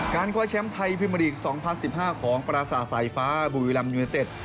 การคว้าแชมป์ไทยพิมพาลีกสองพันสิบห้าของปราสาสาธาภาคบุรีรัมพ์ยูเนตเต็ด